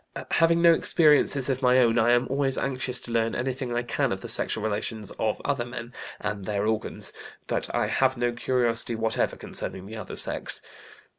Having had no experiences of my own, I am always anxious to learn anything I can of the sexual relations of other men, and their organs, but I have no curiosity whatever concerning the other sex.